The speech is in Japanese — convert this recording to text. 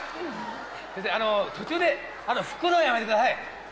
先生あの途中でふくのやめてください